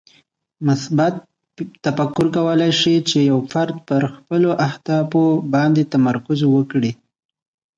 مثبت تفکر کولی شي چې یو فرد پر خپلو اهدافو باندې تمرکز وکړي.